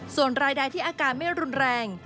ส่วนรายใดที่อาการไม่รุนแรง